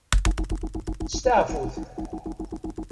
Steɛfut.